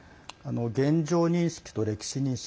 現状認識と、歴史認識